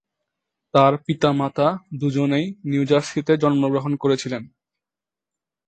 তার পিতামাতা দুজনেই নিউ জার্সিতে জন্মগ্রহণ করেছিলেন।